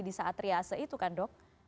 di saat riase itu kan dok